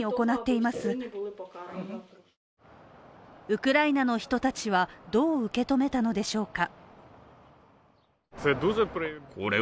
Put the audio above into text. ウクライナの人たちはどう受け止めたのでしょうか。